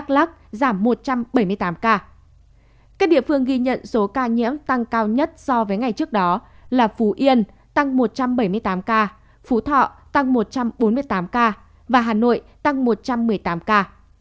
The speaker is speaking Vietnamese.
các địa phương ghi nhận số ca nhiễm giảm nhiều nhất so với ngày trước đó là phú yên giảm một trăm bảy mươi tám ca phú thọ giảm một trăm bốn mươi tám ca hà nội giảm một trăm một mươi tám ca